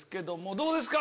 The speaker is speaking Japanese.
どうですか？